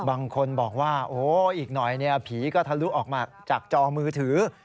บางคนบอกว่าโอ้อีกหน่อยผีก็ทะลุออกมาจากจอมือถือ